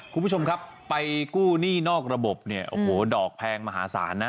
คุณผู้ชมครับไปกู้หนี้นอกระบบเนี่ยโอ้โหดอกแพงมหาศาลนะ